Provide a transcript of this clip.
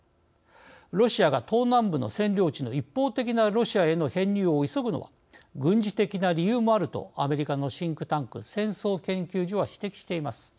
ロシアが東南部の占領地の一方的なロシアへの編入を急ぐのは軍事的な理由もあるとアメリカのシンクタンク戦争研究所は指摘しています。